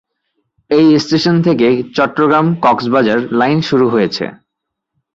এই স্টেশন থেকে চট্টগ্রাম-কক্সবাজার লাইন শুরু হয়েছে।